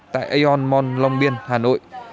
tại aeon mall long biên hà nội